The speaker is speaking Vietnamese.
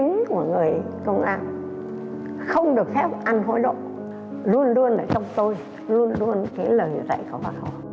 nếu chính của người công an không được phép ăn hối động luôn luôn ở trong tôi luôn luôn kể lời dạy của bác hỏi